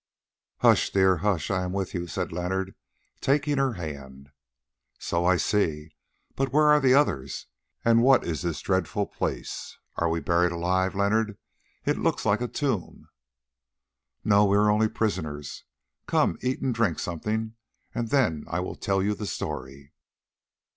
"Hush, dear, hush! I am with you," said Leonard, taking her hand. "So I see. But where are the others, and what is this dreadful place? Are we buried alive, Leonard? It looks like a tomb." "No, we are only prisoners. Come, eat and drink something, and then I will tell you the story."